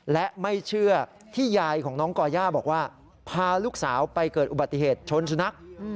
และไม่เชื่อที่ยายของน้องก่อย่าบอกว่าพาลูกสาวไปเกิดอุบัติเหตุชนสุนัข